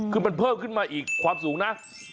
คือมันเพิ่มขึ้นมาอีกความสูงนะ